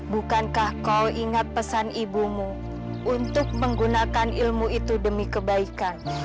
bukankah kau ingat pesan ibumu untuk menggunakan ilmu itu demi kebaikan